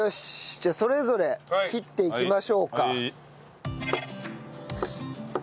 じゃあそれぞれ切っていきましょうか。